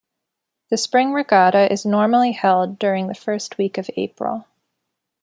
The Spring Regatta is normally held during the first week of April.